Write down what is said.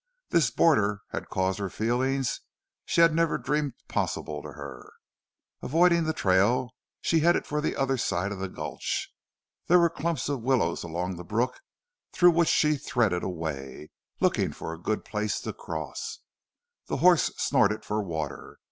This border had caused her feelings she had never dreamed possible to her. Avoiding the trail, she headed for the other side of the gulch. There were clumps of willows along the brook through which she threaded a way, looking for a good place to cross. The horse snorted for water.